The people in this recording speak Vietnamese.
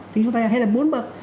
thì chúng ta hay là bốn bậc